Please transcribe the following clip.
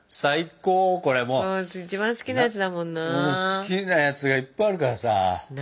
好きなやつがいっぱいあるからさ。